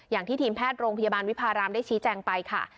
อย่างที่ทีมแพทย์โรงพยาบาลวิพารามได้ชี้แจงไปค่ะ